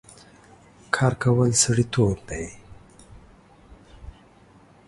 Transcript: کار کول سړيتوب دی